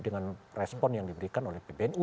dengan respon yang diberikan oleh pbnu